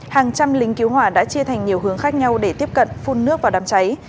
hàng trăm lính cứu hỏa đã chia thành nhiều hướng khác nhau để tiếp cận phun nước vào đám cháy